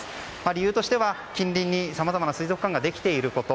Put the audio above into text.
理由としては近隣にさまざまな水族館ができていること。